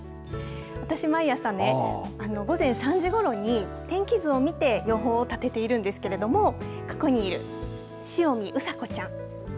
私、毎朝ね、午前３時ごろに天気図を見て予報をたてているんですけれどもここにいる、塩見うさこちゃん